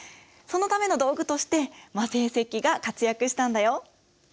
そのための道具として磨製石器が活躍したんだよ。